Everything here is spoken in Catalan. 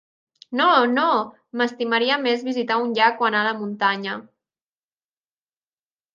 No, no, m'estimaria més visitar un llac, o anar a la muntanya.